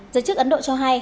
giới chức ấn độ cho hay